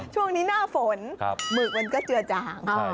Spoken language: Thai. ช่วงนี้หน้าฝนหมึกมันก็เจือจาง